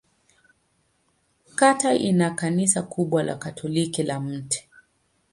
Kata ina kanisa kubwa la Katoliki la Mt.